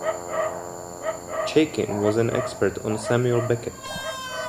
Chaikin was an expert on Samuel Beckett.